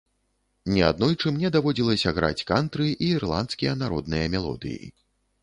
Не аднойчы мне даводзілася граць кантры і ірландскія народныя мелодыі.